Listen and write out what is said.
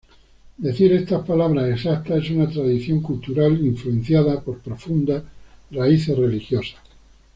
Decir estas palabras exactas es una tradición cultural influenciada por profundas raíces religiosas.